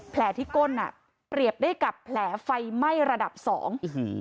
แผลที่ก้นอ่ะเปรียบได้กับแผลไฟไหม้ระดับสองอื้อหือ